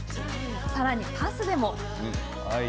さらに、パスでも。